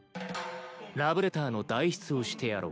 ラブレターの代筆をしてやろう。